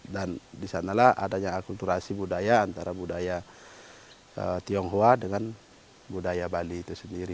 dan di sanalah adanya akulturasi budaya antara budaya tionghoa dengan budaya bali itu sendiri